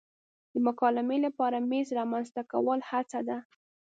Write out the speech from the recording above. د مکالمې لپاره میز رامنځته کول هڅه ده.